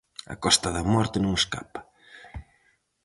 A Costa da Morte non escapa.